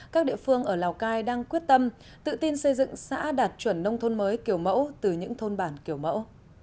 các địa phương ở lào cai đang quyết tâm tự tin xây dựng xã đạt chuẩn nông thôn mới kiểu mẫu từ những thôn bản kiểu mẫu